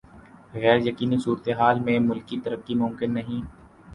غیر یقینی صورتحال میں ملکی ترقی ممکن نہیں